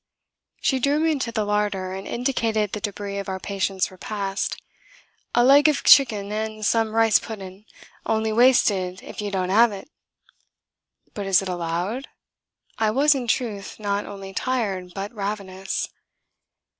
She drew me into the larder, and indicated the debris of our patients' repast. "A leg of chicken and some rice pudden. Only wasted if you don't 'ave it." "But is it allowed ?" I was, in truth, not only tired but ravenous.